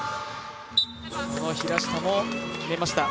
その平下も決めました。